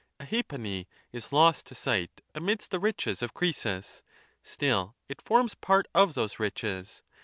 A halfpennyislosttosight amidst the riches of Croesus; still it forms part of those riches.